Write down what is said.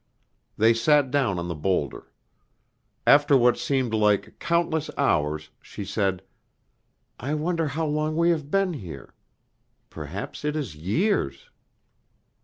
They sat down on the boulder. After what seemed like countless hours, she said, "I wonder how long we have been here. Perhaps it is years."